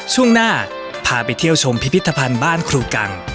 ช่วงหน้าพาไปเที่ยวชมพิพิธภัณฑ์บ้านครูกัง